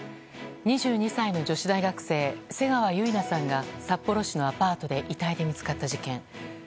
２２歳の女子大学生瀬川結菜さんが札幌市のアパートで遺体で見つかった事件。